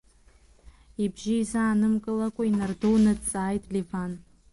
Ибжьы изаанымкылакәа инардуны дҵааит Леван.